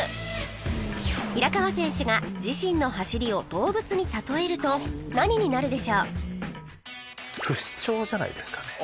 平川選手が自身の走りを動物に例えると何になるでしょう？